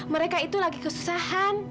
mereka itu lagi kesusahan